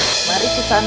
aku akan mencari ucapanmu